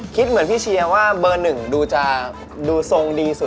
คิดเหมือนพี่เชียร์ว่าเบอร์หนึ่งดูจะดูทรงดีสุด